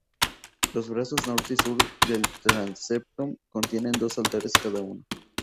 Los brazos norte y sur del transepto contienen dos altares cada uno.